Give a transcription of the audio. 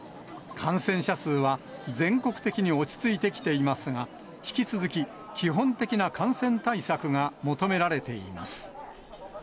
感染者数は全国的に落ち着いてきていますが、引き続き、基本的な感染対策が求められています。